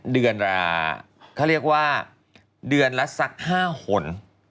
เดือนละเขาเรียกว่าเดือนละสัก๕หน